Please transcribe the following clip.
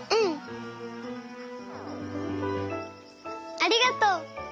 ありがとう。